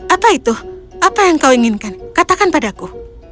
apa itu apa yang kau inginkan katakan padaku